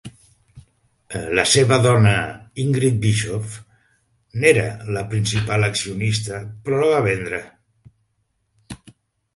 La seva dona, Ingrid Bischoff, n'era la principal accionista, però la va vendre.